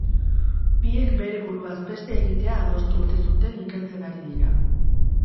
Biek bere buruaz beste egitea adostu ote zuten ikertzen ari dira.